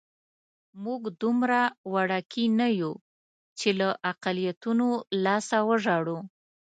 موږ دومره وړوکي نه یو چې له اقلیتونو لاسه وژاړو.